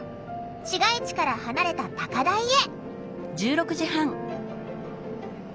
市街地から離れた高台へ。